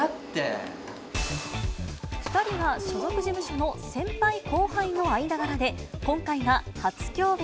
２人が所属事務所の先輩後輩の間柄で、今回は初共演。